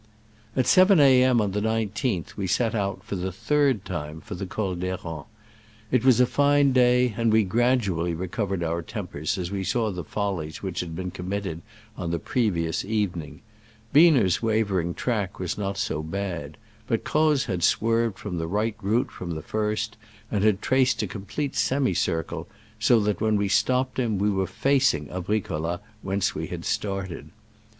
At 7 A. M. on the 19th we set out, for the third time, for the Col d'Herens. It was a fine day, and we gradually recov ered our tempers as we saw the follies which had been committed on the pre vious evening. Biener's wavering track was not so bad, but Croz had swerved from the right route from the first, and had traced a complete semicircle, so that when we stopped him we were facing Abricolla, whence we had started.